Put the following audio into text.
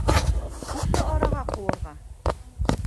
— Күпме араға ҡыуырға?